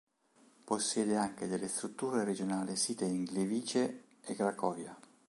Possiede anche delle strutture regionali site in Gliwice e Cracovia.